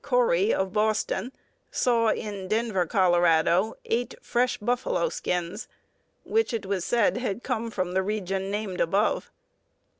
Cory, of Boston, saw in Denver, Colorado, eight fresh buffalo skins, which it was said had come from the region named above.